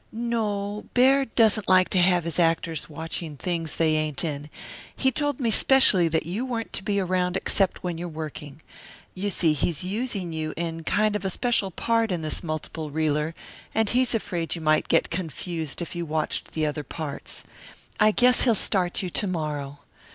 "No, Baird doesn't like to have his actors watching things they ain't in; he told me specially that you weren't to be around except when you're working. You see, he's using you in kind of a special part in this multiple reeler, and he's afraid you might get confused if you watched the other parts. I guess he'll start you to morrow.